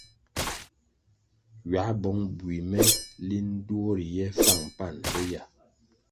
Ywā bong bui me linʼ duo riye fáng pani o yah.